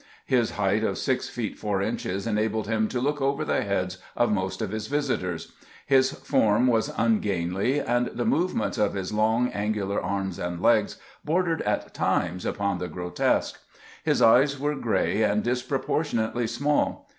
His height of six feet four inches enabled him to look over the heads of most of his visitors. His form was ungainly, and the movements of his long, angular arms and legs bor dered at times upon the grotesque. His eyes were gray and disproportionately small.